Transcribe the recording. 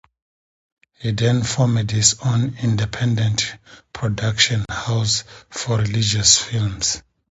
He then formed his own independent production house for religious films.